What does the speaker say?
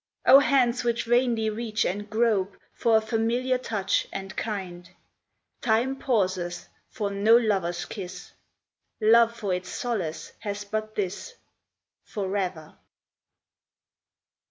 Oh, hands which vainly reach and grope For a familiar touch and kind ! Time pauseth for no lover s kiss ; Love for its solace has but this, " Forever